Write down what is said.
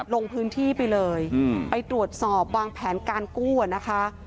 ลงพื้นที่ไปเลยไปตรวจสอบวางแผนการกู้อะนะคะ